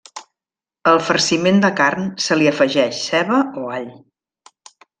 Al farciment de carn se li afegeix ceba o all.